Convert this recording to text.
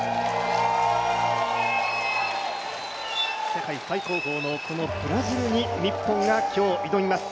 世界最高峰のこのブラジルに日本が今日挑みます。